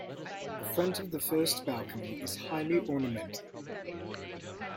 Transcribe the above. The front of the first balcony is highly ornamented.